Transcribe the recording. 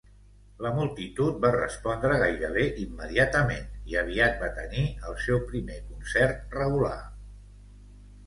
La multitud va respondre gairebé immediatament i aviat va tenir el seu primer concert regular.